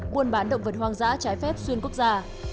buôn bán động vật hoang dã trái phép xuyên quốc gia